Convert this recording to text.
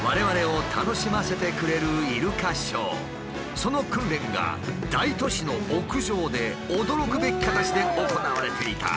その訓練が大都市の屋上で驚くべき形で行われていた。